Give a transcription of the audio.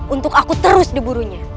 untuk aku terus di burunya